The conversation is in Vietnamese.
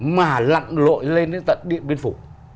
mà lặn lội lên đến tận điện biên phủ